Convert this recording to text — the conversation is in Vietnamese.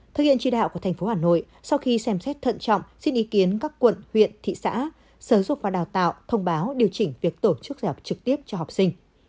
thực hiện tri đạo của thành phố hà nội sau khi xem xét thận trọng xin ý kiến các quận huyện thị xã sở dục và đào tạo thông báo điều chỉnh việc tổ chức dạy học trực tiếp cho học sinh